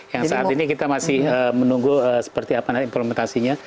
yang saat ini kita masih menunggu seperti apa nanti implementasinya